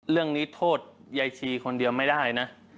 เรื่องนี้โทษยายชีคนเดียวไม่ได้นะ